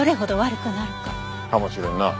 かもしれんな。